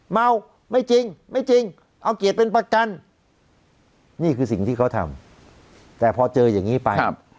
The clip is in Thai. เมาไม่จริงไม่จริงเอาเกียรติเป็นประกันนี่คือสิ่งที่เขาทำแต่พอเจออย่างนี้ไป